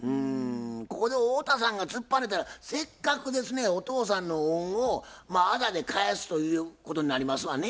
ここで太田さんが突っぱねたらせっかくですねお父さんの恩をあだで返すということになりますわね。